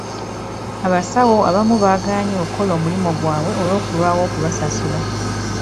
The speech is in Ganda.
Abasawo abamu baagaanye okukola omulimu gwabwe olw'okulwawo okubasasula.